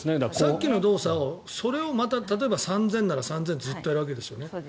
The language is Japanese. さっきの動作をまた例えば３０００ｍなら３０００ｍずっとやるわけですよね。